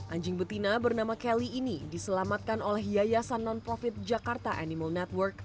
anjing betina bernama kelly ini diselamatkan oleh yayasan non profit jakarta animal network